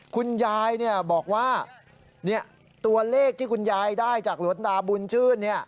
คุณยายบอกว่าตัวเลขที่คุณยายได้จากหลวงตาบุญชื่น